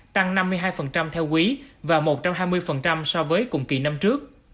tăng năm mươi hai theo quý và một trăm hai mươi so với cùng kỳ năm trước